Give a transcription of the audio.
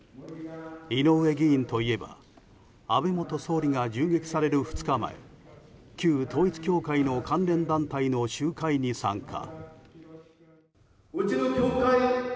井上議員といえば安倍元総理が銃撃される２日前旧統一教会の関連団体の集会に参加。